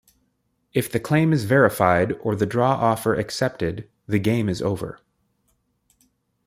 If the claim is verified or the draw offer accepted, the game is over.